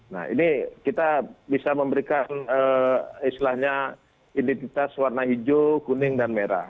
nah ini kita bisa memberikan istilahnya identitas warna hijau kuning dan merah